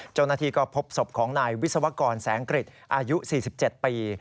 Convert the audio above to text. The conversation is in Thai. เจ้าหน้าที่ก็พบศพของนายวิศวกรแสงกฤษอายุ๔๗ปี